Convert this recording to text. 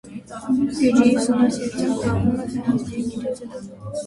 Բյուջեի ուսումնասիրմամբ զբաղվում է ֆինանսների գիտությունը։